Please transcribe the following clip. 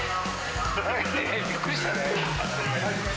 びっくりしたね。